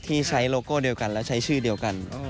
ที่ใช้โลโก้เดียวกันและใช้ชื่อเดียวกัน